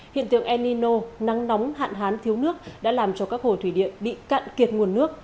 hiện tượng el nino nắng nóng hạn hán thiếu nước đã làm cho các hồ thủy điện bị cạn kiệt nguồn nước